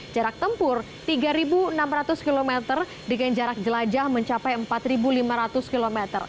jarak tempur tiga enam ratus km dengan jarak jelajah mencapai empat lima ratus km